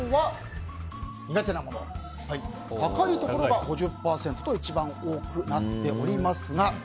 高いところが５０％と一番多くなっておりますが。